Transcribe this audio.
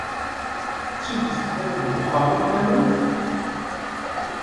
D tidet teqqimeḍ deg uxxam iḍ kamel?